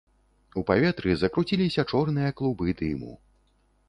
У паветры закруціліся чорныя клубы дыму.